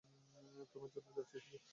তোমার জন্য যাচ্ছি শুধু?